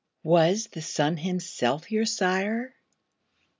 Was the sun himself your sire?